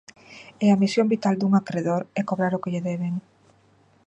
E a misión vital dun acredor é cobrar o que lle deben.